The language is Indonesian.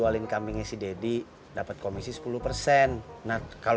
angk pandang aja diralu